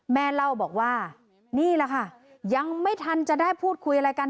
แม่เล่าบอกว่านี่แหละค่ะยังไม่ทันจะได้พูดคุยอะไรกัน